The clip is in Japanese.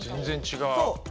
全然違う。